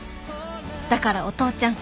だからお父ちゃん